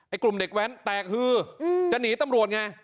กลุ่มเด็กแว้นแตกฮือจะหนีตำรวจไง